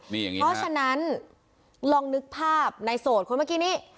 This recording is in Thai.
เพราะฉะนั้นลองนึกภาพในโสดคนเมื่อกี้นี้